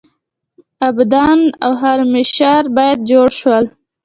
ابادان او خرمشهر بیا جوړ شول.